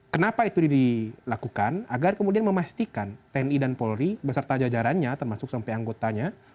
kenapa itu dilakukan agar kemudian memastikan tni dan polri beserta jajarannya termasuk sampai anggotanya